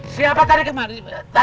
siapa tadi kemar